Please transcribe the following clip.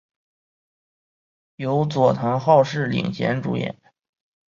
由佐藤浩市领衔主演。